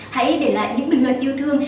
hãy để lại những bình luận yêu thương